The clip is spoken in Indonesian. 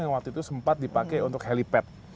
ini sempat dipakai untuk helipad